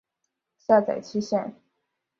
下载期限